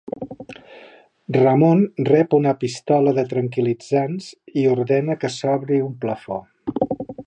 Ramon rep una pistola de tranquil·litzants i ordena que s'obri un plafó.